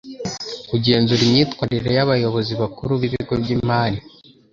kugenzura imyitwarire y abayobozi bakuru bibigo byimari